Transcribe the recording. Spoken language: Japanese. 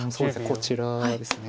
こちらですね。